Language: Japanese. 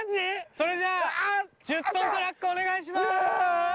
それじゃ１０トントラックお願いしまーす